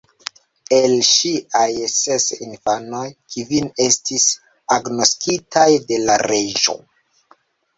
El ŝiaj ses infanoj, kvin estis agnoskitaj de la reĝo.